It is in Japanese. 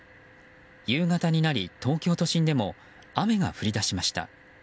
夕方になり東京都心でも雨が降り出しました。